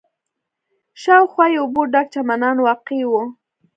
شاوخوا یې اوبو ډک چمنان واقع و.